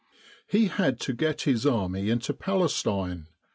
He had to get his army into Palestine.